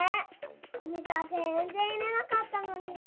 お水はぜんぜんいれなかったのに。